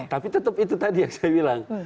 tapi tetap itu tadi yang saya bilang